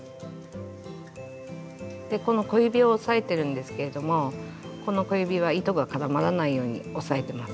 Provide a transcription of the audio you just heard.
この小指を押さえてるんですけれどもこの小指は糸が絡まらないように押さえてます。